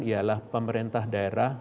ialah pemerintah daerah